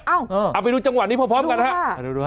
เอ้าเอาไปดูจังหวะนี้พอพร้อมกันครับดูดูค่ะ